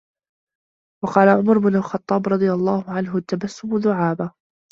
وَقَالَ عُمَرُ بْنُ الْخَطَّابِ رَضِيَ اللَّهُ عَنْهُ التَّبَسُّمُ دُعَابَةٌ